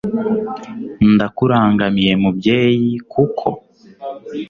ndakurangamiye mubyeyi, kuko